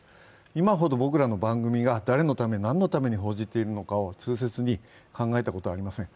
今ほど僕らの番組が誰のため、何のために報じているかを痛切に考えたことはありません。